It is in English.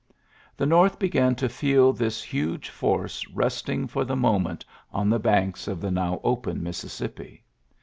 The North began to feel this Luge force resting for the moment on the >anks of the now open Mississippi.